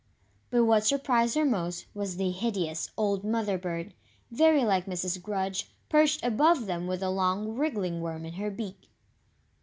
But what surprised her most was the hideous old Mother bird very like Mrs. Grudge perched above them with a long, wriggling worm in her beak.